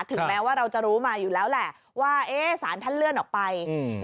ถึงแม้ว่าเราจะรู้มาอยู่แล้วแหละว่าเอ๊ะสารท่านเลื่อนออกไปอืม